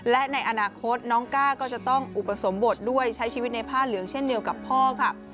และในอนาคตน้องก้าก็จะต้องอุปสมบทด้วยใช้ชีวิตในผ้าเหลืองเช่นเดียวกับพ่อค่ะ